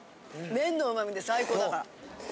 麺のうまみで最高だから。